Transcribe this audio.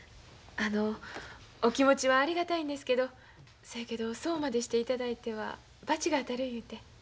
あのお気持ちはありがたいんですけどそやけどそうまでしていただいては罰が当たるいうて。